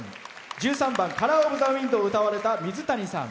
１３番「カラー・オブ・ザ・ウィンド」みずたにさん。